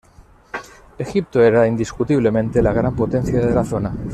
Egipto era, indiscutiblemente, la gran potencia de la zona.